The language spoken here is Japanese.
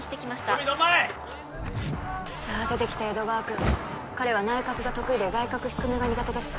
トミードンマイさあ出てきた江戸川くん彼は内角が得意で外角低めが苦手です